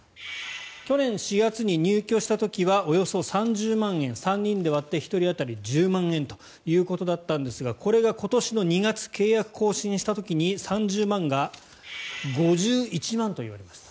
去年４月に入居した時はおよそ３０万円３人で割って１人当たり１０万円ということだったんですがこれが今年の２月契約更新した時に３０万が５１万と言われました。